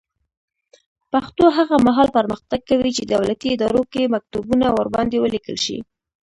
پښتو هغه مهال پرمختګ کوي چې دولتي ادارو کې مکتوبونه ورباندې ولیکل شي.